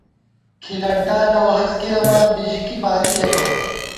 کھِلَنٹا لَؤ ہست گِرَمان ، بژِکی بالِکےپت